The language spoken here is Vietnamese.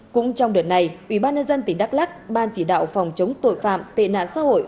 cũng trong đợt này ubnd tỉnh đắk lắc ban chỉ đạo phòng chống tội phạm tệ nạn xã hội